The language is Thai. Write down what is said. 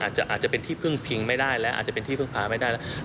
อาจจะเป็นที่พึ่งพิงไม่ได้และอาจจะเป็นที่พึ่งพาไม่ได้แล้ว